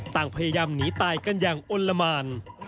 ต่างพยายามหนีตายกันอย่างอ้นละมาน